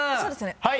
はい。